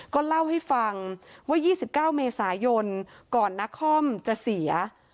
ก็เล่าให้ฟังว่า๒๙เมษายนก่อนนาคอมจะเสีย